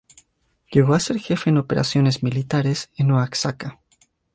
Llegó a ser jefe de operaciones militares en Oaxaca.